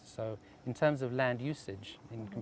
jadi dalam hal penggunaan tanah